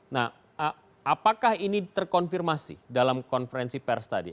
nah apakah ini terkonfirmasi dalam konferensi pers tadi